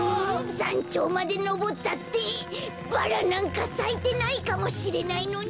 さんちょうまでのぼったってバラなんかさいてないかもしれないのに。